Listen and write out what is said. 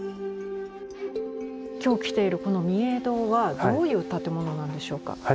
今日来ているこの御影堂はどういう建物なんでしょうか？